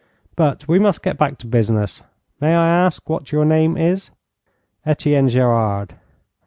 But we must get back to business. May I ask what your name is?' 'Etienne Gerard.'